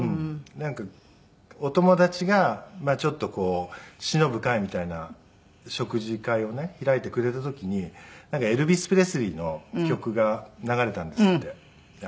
なんかお友達がまあちょっとこうしのぶ会みたいな食事会をね開いてくれた時になんかエルビス・プレスリーの曲が流れたんですって。